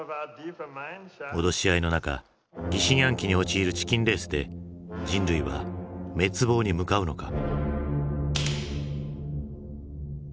脅し合いの中疑心暗鬼に陥るチキンレースで人類は滅亡に向かうのか？